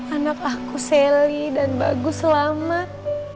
anak aku seli dan bagus selamat